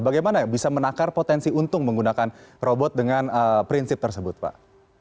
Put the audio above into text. bagaimana bisa menakar potensi untung menggunakan robot dengan prinsip tersebut pak